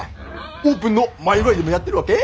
オープンの前祝いでもやってるわけ？